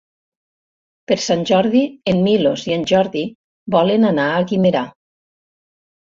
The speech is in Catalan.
Per Sant Jordi en Milos i en Jordi volen anar a Guimerà.